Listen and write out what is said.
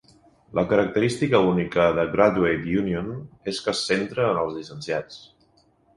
La característica única de Graduate Union és que se centra en els llicenciats.